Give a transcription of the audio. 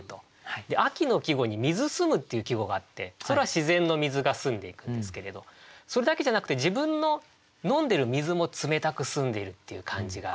秋の季語に「水澄む」っていう季語があってそれは自然の水が澄んでいくんですけれどそれだけじゃなくて自分の飲んでる水も冷たく澄んでいるっていう感じが出てくると。